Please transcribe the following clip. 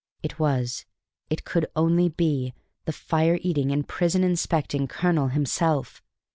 It was, it could only be, the fire eating and prison inspecting colonel himself!